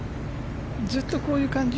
ずっとこういう感じ